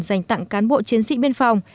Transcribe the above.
dành tặng cán bộ chiến sĩ biên phòng